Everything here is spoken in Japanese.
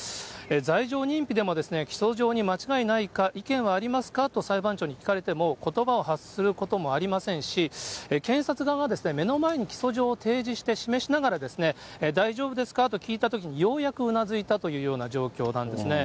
罪状認否でも起訴状に間違いないか、意見はありますかと裁判長に聞かれてもことばを発することもありませんし、検察側が目の前に起訴状を提示して示しながら大丈夫ですかと聞いたときに、ようやくうなずいたというような状況なんですね。